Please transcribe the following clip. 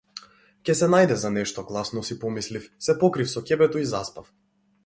Ќе се најде за нешто, гласно си помислив, се покрив со ќебето и заспав.